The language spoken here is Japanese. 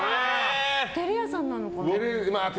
照れ屋さんなのかな。